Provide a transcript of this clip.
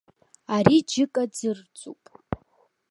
Ари џьыкаӡырӡуп.